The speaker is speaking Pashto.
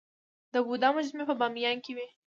د بودا مجسمې په بامیان کې وې